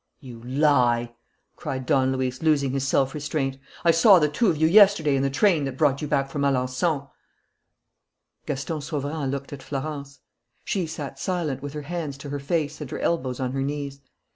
"You lie!" cried Don Luis, losing his self restraint. "I saw the two of you yesterday in the train that brought you back from Alençon " Gaston Sauverand looked at Florence. She sat silent, with her hands to her face and her elbows on her knees.